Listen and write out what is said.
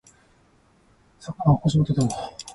昨夜は星がとてもきれいに見えました。